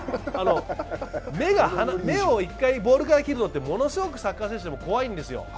目を１回、ボールから切るのってものすごくサッカー選手、怖いんですよ。